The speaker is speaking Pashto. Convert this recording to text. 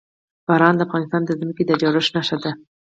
باران د افغانستان د ځمکې د جوړښت نښه ده.